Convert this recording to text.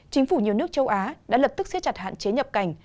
chính phủ nhiều nước châu á đã lập tức siết chặt hạn chế nhập cảnh